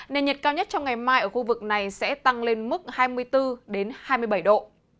nên nhật cao nhất trong ngày mai ở khu vực này sẽ tăng lên mức hai mươi bốn đến hai mươi bảy độ